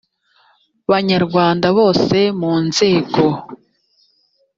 banyarwanda bose mu nzego